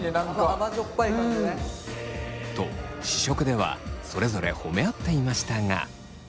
甘じょっぱい感じね。と試食ではそれぞれ褒め合っていましたが。